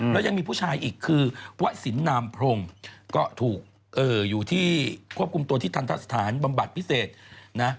แล้วยังมีผู้ชายอีกคือวะสินนามพรมก็ถูกอยู่ที่ควบคุมตัวที่ทันทะสถานบำบัดพิเศษนะ